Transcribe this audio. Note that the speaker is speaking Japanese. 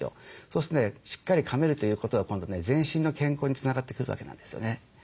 そうするとねしっかりかめるということは今度ね全身の健康につながってくるわけなんですよね。